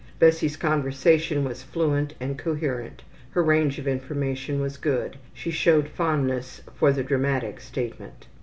Bessie's conversation was fluent and coherent, her range of information was good. She showed fondness for the dramatic statement.